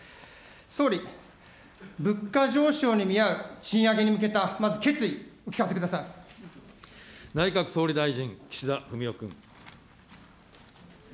総理、物価上昇に見合う賃上げに向けたまず決意、お聞かせくださ内閣総理大臣、岸田文雄君。